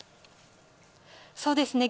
そうですね。